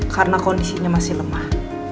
karena kondisinya masih lemah